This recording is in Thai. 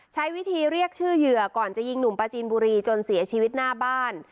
ใช้วิธีเรียกชื่อเหยื่อก่อนจะยิงหนุ่มปลาจีนบุรีจนเสียชีวิตหน้าบ้าน